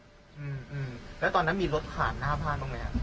อืมแล้วตอนนั้นมีรถผ่านหน้าบ้านบ้างไหมครับ